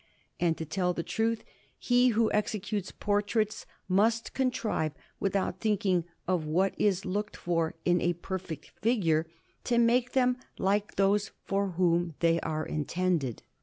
And to tell the truth, he who executes portraits must contrive, without thinking of what is looked for in a perfect figure, to make them like those for whom they are intended.